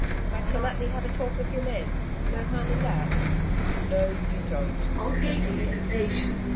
'But you'll let me have a talk with your men? No harm in that.' 'No, you don't,' said McKeith.